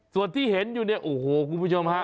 ส่วนที่เห็นอยู่เนี่ยโอ้โหคุณผู้ชมฮะ